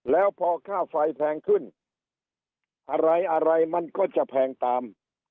แล้วพอค่าไฟแพงขึ้นอะไรอะไรมันก็จะแพงตาม